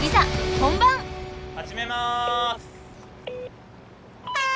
本番！はじめます！